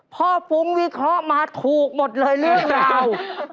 ฟุ้งวิเคราะห์มาถูกหมดเลยเรื่องราว